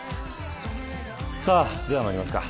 ではまいりますか。